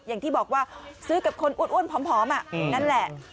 อย่างที่บอกว่าซื้อกับคนอ้วนผอมนั่นแหละ